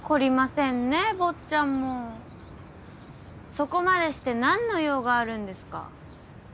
そこまでしてなんの用があるんですか？